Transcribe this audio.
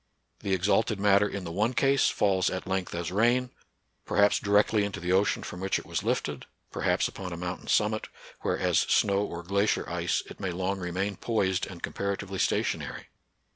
The exalted matter in the one case falls at length as rain, perhaps directly into the ocean from which it 26 NATURAL SCIENCE AND RELIGION. was lifted, perhaps upon a mountain summit, where as snow or glacier ice it may long remain poised and comparatively stationary.